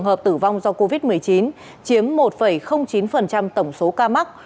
ghi nhận tại đồng nai đến nay có hơn một trường hợp tử vong do covid một mươi chín chiếm một chín tổng số ca mắc